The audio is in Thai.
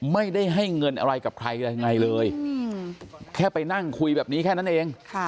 ไม่ได้ให้เงินอะไรกับใครยังไงเลยแค่ไปนั่งคุยแบบนี้แค่นั้นเอง